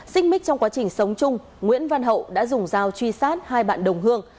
xích mít trong quá trình sống chung nguyễn văn hậu đã dùng dao truy sát hai bạn đồng hương